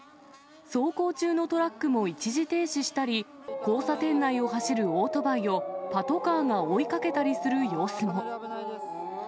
走行中のトラックも一時停止したり、交差点内を走るオートバイを、パトカーが追いかけたりする様子も。